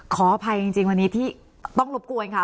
ขออภัยจริงวันนี้ต้องรบกลัวจริงค่ะ